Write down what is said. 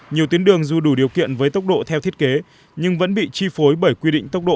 nhiều tuyến đường dù đủ điều kiện với tốc độ theo thiết kế nhưng vẫn bị chi phối bởi quy định tốc độ